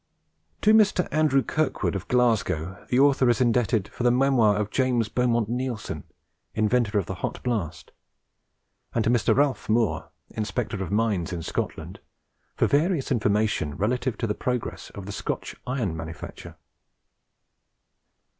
To Mr. Anderson Kirkwood of Glasgow the Author is indebted for the memoir of James Beaumont Neilson, inventor of the hot blast; and to Mr. Ralph Moore, Inspector of Mines in Scotland, for various information relative to the progress of the Scotch iron manufacture.